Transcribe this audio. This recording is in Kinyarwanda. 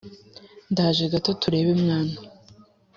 ndaje gato tureba mwana